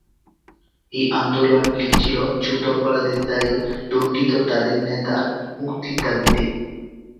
এই আন্দোলনটি ছিল যুদ্ধাপরাধের দায়ে দণ্ডিত তাদের নেতার মুক্তির দাবীতে।